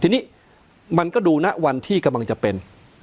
ทีนี้มันก็ดูนะวันที่กำลังจะเป็น